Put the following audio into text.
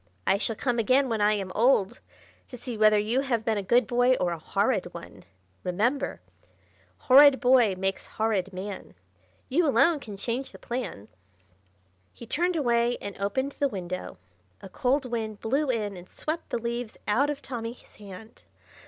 "I shall come again when I am old to see whether you have been a good boy or a horrid one. Remember, "Horrid boy makes horrid man; You alone can change the plan." He turned away and opened the window. A cold wind blew in and swept the leaves out of Tommy's hand.